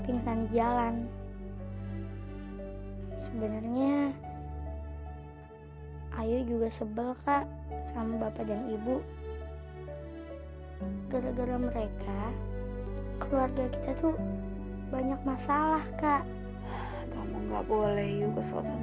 mudah mudahan kami segera keluar dari permasalahan sulit ini